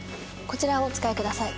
こちらをお使いください。